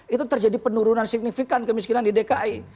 itu terjadi penurunan signifikan kemiskinan di dki